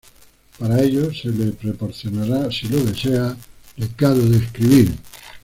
Para ello, se le proporcionará, si lo desea, recado de escribir.